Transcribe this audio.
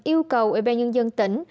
yêu cầu ủy ban nhân dân tỉnh